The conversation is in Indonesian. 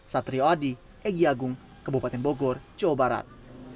satrio adi egy agung kebupaten bogor jawa barat